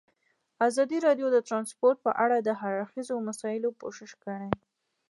ازادي راډیو د ترانسپورټ په اړه د هر اړخیزو مسایلو پوښښ کړی.